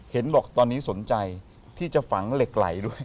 เห็นบอกตอนนี้สนใจที่จะฝังเหล็กไหลด้วย